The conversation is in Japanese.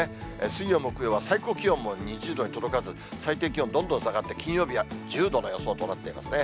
水曜、木曜は最高気温も２０度に届かず、最低気温、どんどん下がって、金曜日は１０度の予想となっていますね。